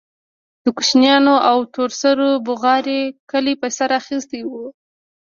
د کوچنيانو او تور سرو بوغارو کلى په سر اخيستى و.